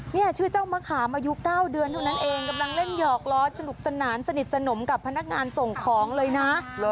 นี่ชื่อเจ้ามะขามอายุ๙เดือนเท่านั้นเองกำลังเล่นหยอกล้อสนุกสนานสนิทสนมกับพนักงานส่งของเลยนะ